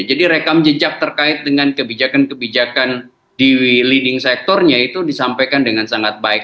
jadi rekam jejak terkait dengan kebijakan kebijakan di leading sektornya itu disampaikan dengan sangat baik